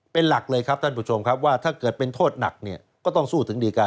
เป็นหลักเลยครับท่านผู้ชมครับว่าถ้าเกิดเป็นโทษหนักเนี่ยก็ต้องสู้ถึงดีการ